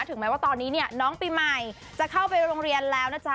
ถึงแม้ว่าตอนนี้เนี่ยน้องปีใหม่จะเข้าไปโรงเรียนแล้วนะจ๊ะ